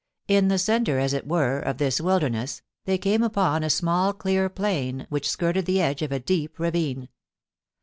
In the centre, as it were, of this wilderness, they came upon a small clear plain, which skirted the edge of a deep ravine.